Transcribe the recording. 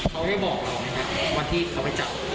เขาได้บอกหรือเปล่าไหมคะวันที่เขาไปจับ